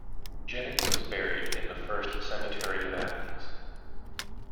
Jennings was buried in the First Cemetery of Athens.